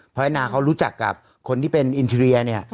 เพราะไอ้นาเขารู้จักกับคนที่เป็นอินทีเรียเนี่ย